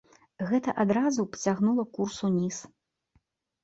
Гэта адразу пацягнула курс уніз.